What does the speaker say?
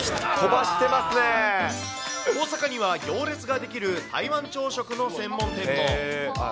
大阪には行列が出来る台湾朝食の専門店も。